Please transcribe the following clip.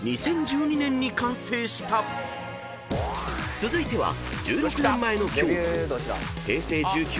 ［続いては１６年前の今日］